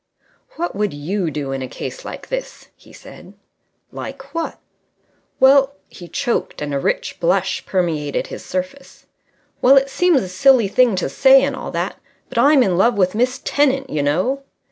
"What would you do in a case like this?" he said. "Like what?" "Well " He choked, and a rich blush permeated his surface. "Well, it seems a silly thing to say and all that, but I'm in love with Miss Tennant, you know!"